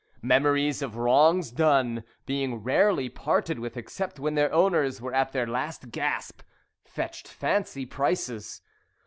Memories of wrongs done, being rarely parted with except when their owners were at their last gasp, fetched fancy prices.